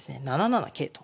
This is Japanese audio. ７七桂と。